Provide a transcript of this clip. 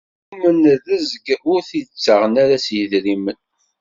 Tumen rrezg ur t-id-ttaɣen ara s yidrimen.